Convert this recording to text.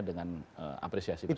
dengan apresiasi presiden